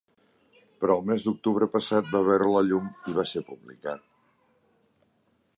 Però el mes d’octubre passat va veure la llum i va ser publicat.